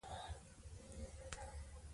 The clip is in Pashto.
دوی عاجز پاتې سول.